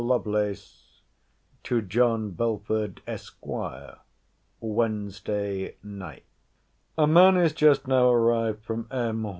LOVELACE, TO JOHN BELFORD, ESQ. WEDNESDAY NIGHT. A man is just now arrived from M.